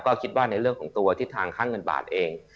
ก็คิดว่าในเรื่องของตัวทิศทางค่าเงินบาทเอง